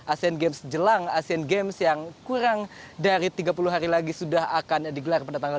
asian games jelang asian games yang kurang dari tiga puluh hari lagi sudah akan digelar pada tanggal delapan belas agustus dua ribu delapan belas mendatang fani